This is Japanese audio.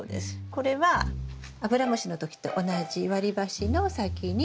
これはアブラムシの時と同じ割り箸の先に。